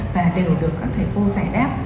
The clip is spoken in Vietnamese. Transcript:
và đều được các thầy cô giải đáp